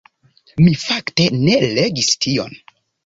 Mi fakte ne legis tion.